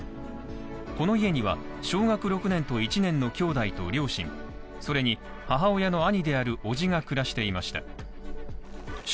この家には、小学６年と１年の兄弟と両親、それに母親の兄である伯父が暮らしていました。